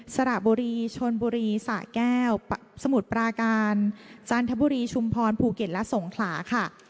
สระบุรีชนบุรีสะแก้วสมุทรปราการจันทบุรีชุมพรภูเก็ตและสงขลาค่ะ